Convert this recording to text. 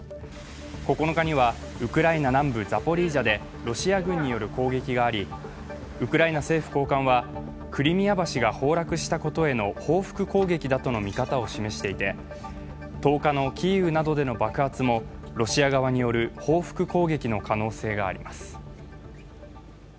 ９日にはウクライナ南部ザポリージャでロシア軍による攻撃があり、ウクライナ政府高官はクリミア橋が崩落したことへの報復攻撃だとの見方を示していて、１０日のキーウなどでの爆発もロシア側による報復攻撃の可能性があります。